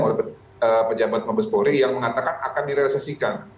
oleh pejabat mabes polri yang mengatakan akan direalisasikan